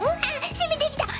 攻めてきた！